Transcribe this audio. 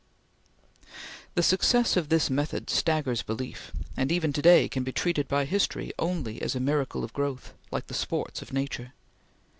The success of this method staggers belief, and even to day can be treated by history only as a miracle of growth, like the sports of nature.